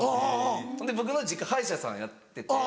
ほんで僕の実家歯医者さんやってて。